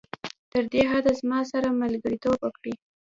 تر دې حده زما سره ملګرتوب وکړي.